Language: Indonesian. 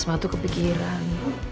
mama tuh kepikiran